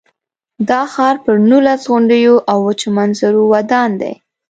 دا ښار پر نولس غونډیو او وچو منظرو ودان دی.